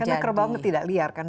karena kerbau itu tidak liar kan